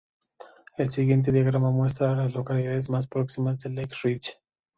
El siguiente diagrama muestra a las localidades más próximas a Lake Ridge.